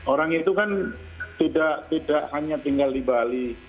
orang itu kan tidak hanya tinggal di bali